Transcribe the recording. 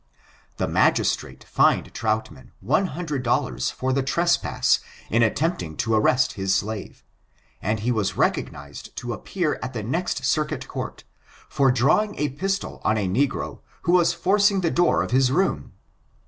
A Magistrate fined Troulman, one hundred dollars for the tresspass in attempting to arrest his slave ; and he was recognized to appear at the next Circuit Court, for drawing a pistol on a negro who was forcing the door of his room